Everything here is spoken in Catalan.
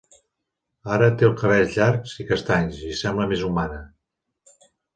Ara té els cabells llargs i castanys, i sembla més humana.